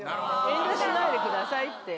「遠慮しないでください」って。